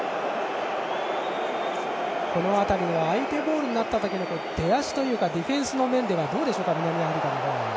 この辺り、相手ボールになった時の出足というかディフェンスの面ではどうでしょう、南アフリカは。